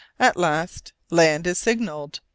At last land is signalled.